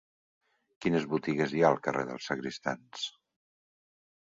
Quines botigues hi ha al carrer dels Sagristans?